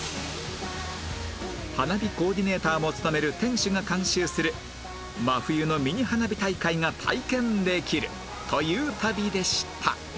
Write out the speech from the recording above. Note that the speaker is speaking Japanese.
花火コーディネーターも務める店主が監修する真冬のミニ花火大会が体験できるという旅でした